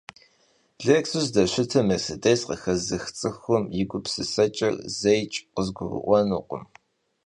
Lêksus zdeşıtım Mersedês khıxezıx ts'ıxum yi gupsıseç'er zeiç' khızgurı'uenukhım.